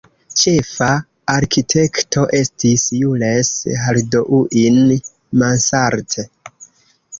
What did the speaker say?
Ĉefa arkitekto estis Jules Hardouin-Mansart.